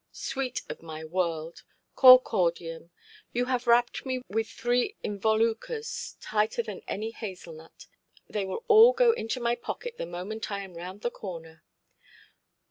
"Sweet of my world, cor cordium, you have wrapped me with three involucres tighter than any hazel–nut. They will all go into my pocket the moment I am round the corner".